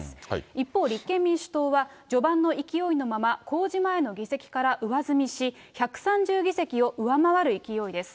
一方、立憲民主党は、序盤の勢いのまま、公示前の議席から上積みし、１３０議席を上回る勢いです。